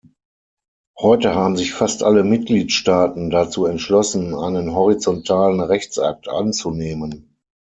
Heute haben sich fast alle Mitgliedstaaten dazu entschlossen, einen horizontalen Rechtsakt anzunehmen.